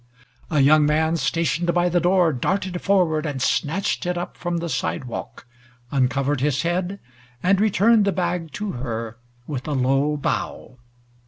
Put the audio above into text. A young man stationed by the door darted forward and snatched it up from the side walk, uncovered his head and returned the bag to her with a low bow.